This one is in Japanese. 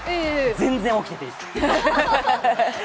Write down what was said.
全然起きてていいって。